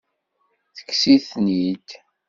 Tekkes-iten-id?